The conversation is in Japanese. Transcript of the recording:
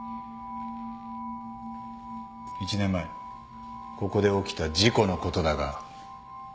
一年前ここで起きた事故のことだが。